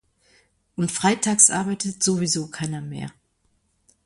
Und freitags arbeitet sowieso keiner mehr.